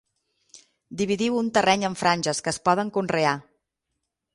Dividiu un terreny en franges que es poden conrear.